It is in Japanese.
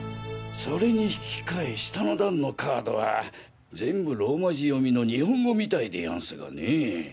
それに引き換え下の段のカードは全部ローマ字読みの日本語みたいでやんすがね。